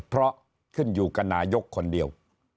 เพราะขึ้นอยู่กับนายกคนเดียว